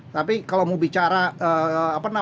tapi kalau mau bicara